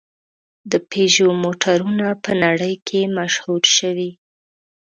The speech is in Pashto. د پيژو موټرونه په نړۍ کې مشهور شوي.